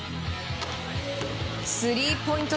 スリーポイント